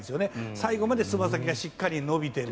最後までつま先がしっかり伸びている。